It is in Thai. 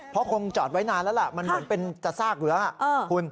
เพราะคงจอดไว้นานแล้วล่ะมันเหมือนเป็นกระซากอยู่แล้วคุณ